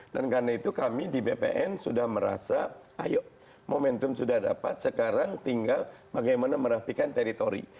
dan karena itu kami di bpn sudah merasa ayo momentum sudah dapat sekarang tinggal bagaimana merapikan teritori